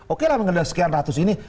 oke lah mengendali sekian ratus ini